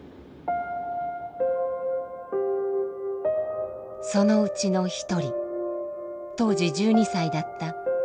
そのうちの一人当時１２歳だった石崎睦子さんです。